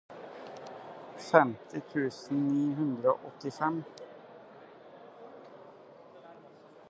femti tusen ni hundre og åttifem